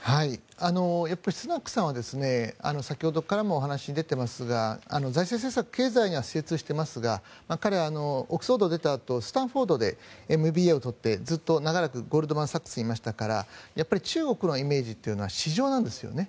やっぱりスナクさんは先ほどからもお話に出てますが財政政策経済には精通していますが彼はオックスフォードを出たあとスタンフォードでＭＢＡを取って、長らくゴールドマン・サックスにいましたから中国のイメージは市場なんですよね。